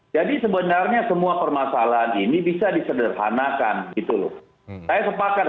jadi sebenarnya semua permasalahan ini bisa disederhanakan gitu loh saya sepakat